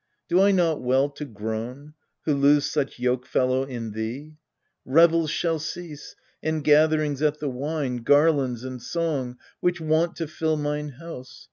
Do I not well To groan, who lose such yokefellow in thee ? Revels shall cease, and gatherings at the wine, Garlands, and song, which wont to fill mine house.